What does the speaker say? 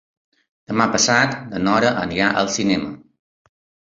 Demà passat na Nora anirà al cinema.